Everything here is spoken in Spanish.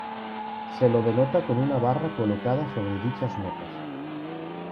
Se lo denota con una barra colocada sobre dichas notas.